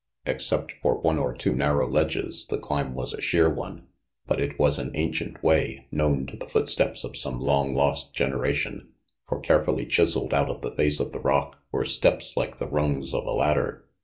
Except for one or two narrow ledges, the climb was a sheer one. But it was an ancient way, known to the footsteps of some long lost generation, for carefully chiseled out of the face of the rock were steps like the rungs of a ladder.